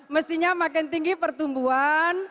mestinya makin tinggi pertumbuhan